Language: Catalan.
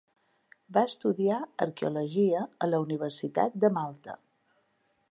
Va estudiar arqueologia a la Universitat de Malta.